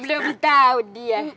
belum tahu dia